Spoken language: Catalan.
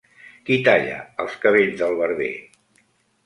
¿Qui talla els cabells del barber?